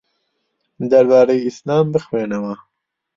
دەربارەی ئیسلام بخوێنەوە.